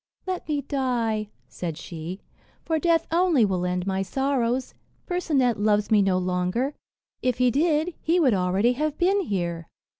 "Let me die," said she, "for death only will end my sorrows. Percinet loves me no longer; if he did, he would already have been here."